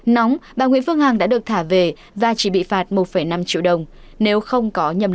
nóng bà nguyễn phương hằng đã được thả về và chỉ bị phạt một năm triệu đồng